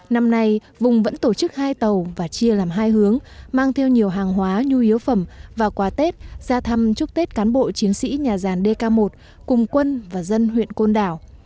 năm nay vùng vẫn tổ chức hai tàu và chia làm hai hướng mang theo nhiều hàng hóa nhu yếu phẩm và quà tết ra thăm chúc tết cán bộ chiến sĩ nhà giàn dk một cùng quân và dân huyện côn đảo